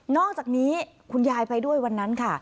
อกจากนี้คุณยายไปด้วยวันนั้นค่ะ